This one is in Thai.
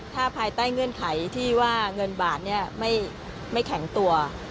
ถ้าภายใต้เงื่อนไขที่ว่าเงินบาทไม่แข็งตัว